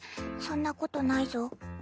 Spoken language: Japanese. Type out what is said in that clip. そんなことないぞ。